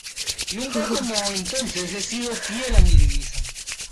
nunca como entonces he sido fiel a mi divisa: